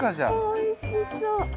おいしそう。